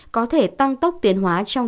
có thể tăng tốc tiến hóa trong